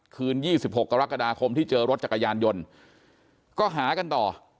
๒๖กรกฎาคมที่เจอรถจักรยานยนต์ก็หากันต่อ